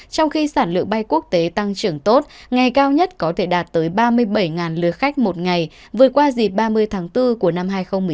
trong khi sản lượng bay quốc tế tăng trưởng tốt ngày cao nhất có thể đạt tới ba mươi bảy lượt khách một ngày vượt qua dịp ba mươi tháng bốn của năm hai nghìn một mươi chín